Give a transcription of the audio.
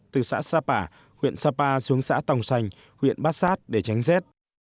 từ xã sapa huyện sapa xuống xã tòng sành huyện bát sát để tránh rét